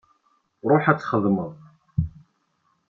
Ṛuḥ ad txedmeḍ.